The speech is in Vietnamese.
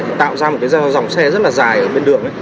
thì tạo ra một cái dòng xe rất là dài ở bên đường